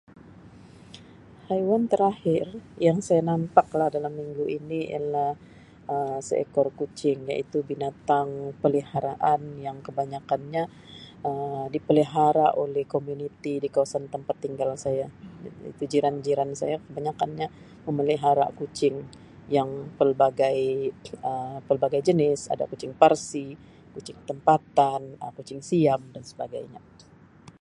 Haiwan terakhir yang saya nampak lah dalam minggu ini ialah Um seekor kucing iaitu binatang peliharaan yang kebanyakkan nya Um dipelihara oleh komuniti di kawasan tempat tinggal saya iaitu jiran jiran saya kebanyakannya memelihara kucing yang pelbagai Um pelbagai jenis ada kucing Parsi, kucing tempatan, Um kucing siam dan sebagainya.